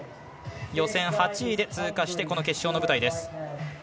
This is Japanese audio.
予選８位で通過して決勝の舞台です。